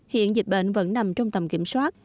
hiện dịch bệnh vẫn nằm trong tầm kiểm soát